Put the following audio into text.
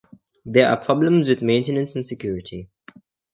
There are problems with maintenance and security.